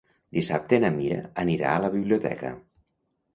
Dissabte na Mira anirà a la biblioteca.